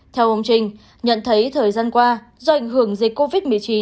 theo ông trình nhận thấy thời gian qua do ảnh hưởng dịch covid một mươi chín